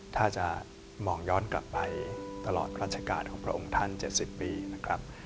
ถ้าจะมองย้อนกลับไปตลอดราชการของพระองค์ท่าน๗๐ปีนะครับ